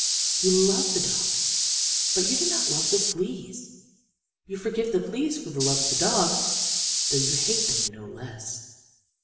You love the dog, but you do not love the fleas. You forgive the fleas for the love of the dog, though you hate them no less.